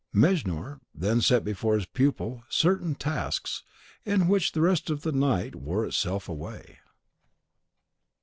Mejnour then set before his pupil certain tasks, in which the rest of the night wore itself away.